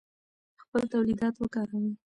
خپل تولیدات وکاروئ.